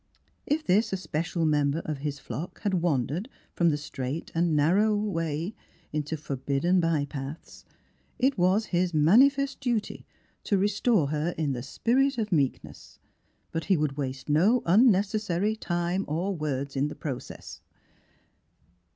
If this especial member of his flock had wandered from the straight and narrow way into forbid den by paths, it was his mani fest duty to restore her in the spirit of meekness; but he would waste no unnecessary time or words in the process.